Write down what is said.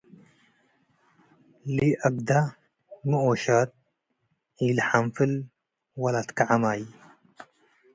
ለይአግደ ምኦሻት ኢልሐንፍል ወለትከዐ ማይ